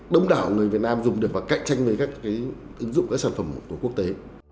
đông đảo người việt nam dùng được và cạnh tranh với các ứng dụng các sản phẩm của quốc tế